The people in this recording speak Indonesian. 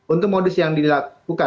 untuk modus yang dilakukan